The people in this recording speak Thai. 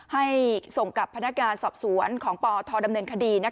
ให้ส่งกับพนักงานสอบสวนของปทดำเนินคดี